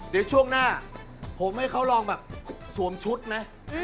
เดี๋ยวช่วงหน้าผมให้เขาลองแบบสวมชุดไหม